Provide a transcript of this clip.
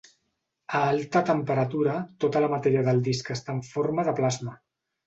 A alta temperatura, tota la matèria del disc està en forma de plasma.